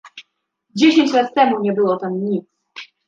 Dziesięć lat temu nie było tam nic